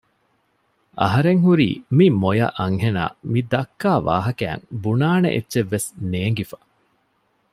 އަހަރެން ހުރީ މި މޮޔަ އަންހެނާ މިދައްކާ ވާހައިން ބުނާނެ އެއްޗެއްވެސް ނޭންގިފަ